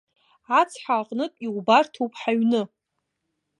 Ацҳа аҟнытә иубарҭоуп ҳаҩны.